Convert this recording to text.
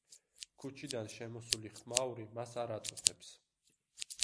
ქუჩიდან შემოსული ხმაური მას არ აწუხებს.